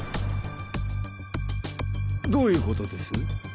どういう事です？